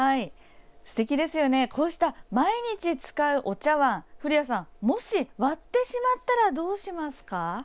こうした毎日使うお茶碗古谷さん、もし割ってしまったらどうしますか？